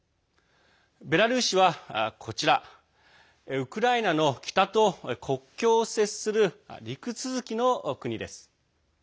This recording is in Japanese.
ベラルーシは、こちらウクライナの北と国境を接する陸続きの国です。